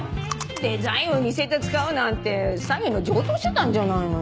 デザインを似せて使うなんて詐欺の常套手段じゃないのよ。